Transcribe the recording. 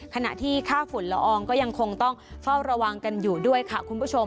ขณะที่ค่าฝุ่นละอองก็ยังคงต้องเฝ้าระวังกันอยู่ด้วยค่ะคุณผู้ชม